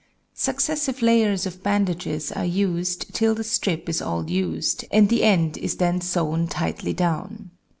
Successive layers of bandages are used till the strip is all used, and the end is then sewn tightly down.